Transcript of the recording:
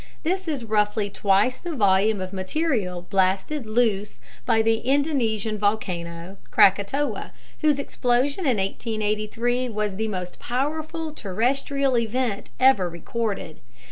This is roughly twice the volume of material blasted loose by the Indonesian volcano, Krakatoa, whose explosion in 1883 was the most powerful terrestrial event ever recorded.